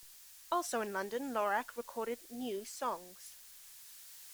Also, in London Lorak recorded new songs.